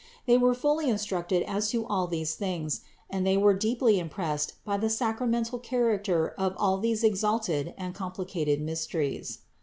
They were fully instructed as to all these things, and they were deeply impressed by the sacramental character of all these exalted and complicated mysteries.